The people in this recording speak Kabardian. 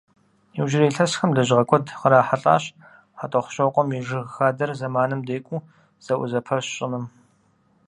Иужьрей илъэсхэм лэжьыгъэ куэд кърахьэлӏащ Хьэтӏохъущокъуэм и жыг хадэр зэманым декӏуу зэӏузэпэщ щӏыным.